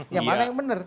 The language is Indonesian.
yang mana yang benar